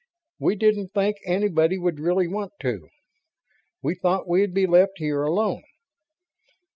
We didn't think anybody would really want to. We thought we'd be left here alone.